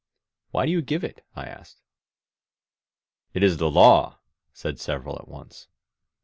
"Why do you give it?" I asked. "It is the law," said several at once.